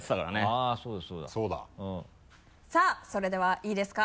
あぁそうだそうだ。さぁそれではいいですか？